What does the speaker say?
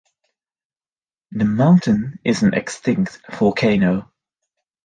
The mountain is an extinct volcano.